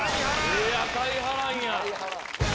いや大波乱や。